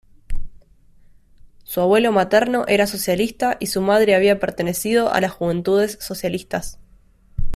Su abuelo materno era socialista y su madre había pertenecido a las Juventudes Socialistas.